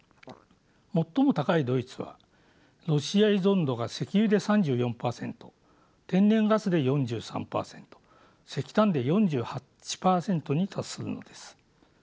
最も高いドイツはロシア依存度が石油で３４％天然ガスで４３％石炭で４８％に達するのです。